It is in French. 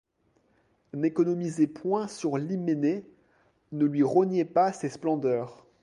N'économisez point sur l'hyménée, ne lui rognez pas ses splendeurs.